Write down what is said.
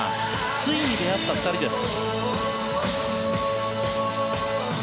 ついに出会った２人です。